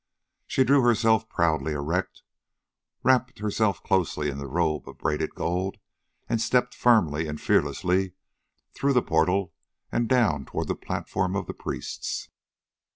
She drew herself proudly erect, wrapped herself closely in the robe of braided gold, and stepped firmly and fearlessly through the portal and down toward the platform of the priests.